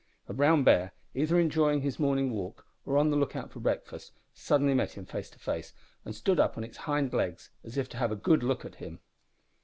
A brown bear, either enjoying his morning walk or on the look out for breakfast, suddenly met him face to face, and stood up on its hind legs as if to have a good look at him.